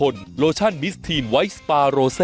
มาค่ะ